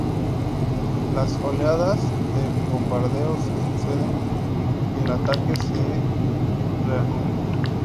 Las oleadas de bombardeos se suceden y el ataque se reanuda.